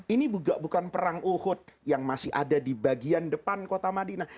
ini bukan perang uhud yang masih ada di bagian depan kota madinah